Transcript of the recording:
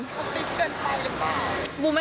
คลิปเกินไปหรือเปล่า